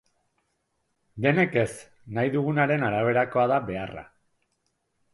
Denek ez, nahi dugunaren araberakoa da beharra.